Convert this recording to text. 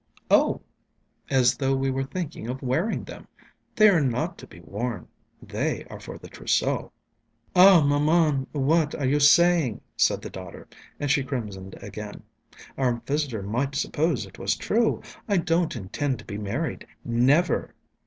"Oh ... as though we were thinking of wearing them! They are not to be worn; they are for the trousseau!" "Ah, mamam, what are you saying?" said the daughter, and she crimsoned again. "Our visitor might suppose it was true. I don't intend to be married. Never!"